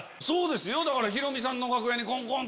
ヒロミさんの楽屋にコンコン！